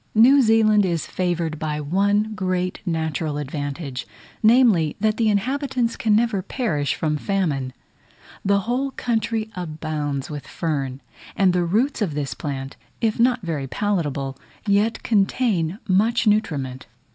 New Zealand is favoured by one great natural advantage; namely, that the inhabitants can never perish from famine. The whole country abounds with fern: and the roots of this plant, if not very palatable, yet contain much nutriment.